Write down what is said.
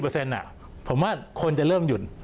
ซัก๒๐ผมว่าคนจะเริ่มหยุด